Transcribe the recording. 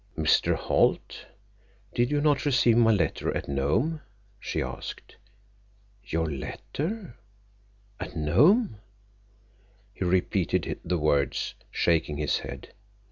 "Mr. Holt, you did not receive my letter at Nome?" she asked. "Your letter? At Nome?" He repeated the words, shaking his head.